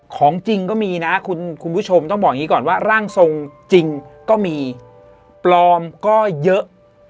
ของจริงก็มีนะคุณผู้ชมต้องบอกอย่างนี้ก่อนว่าร่างทรงจริงก็มีปลอมก็เยอะ